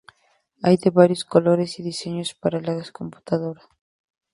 Hay de varios colores y diseños para la computadora.h